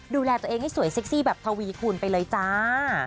ดูแลตัวเองให้สวยเซ็กซี่แบบทวีคูณไปเลยจ้า